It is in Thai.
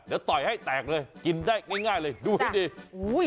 เดี๋ยวต่อยให้แตกเลยกินได้ง่ายเลยดูให้ดี